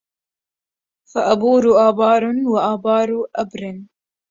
فأبؤر أبآر وآبار أبر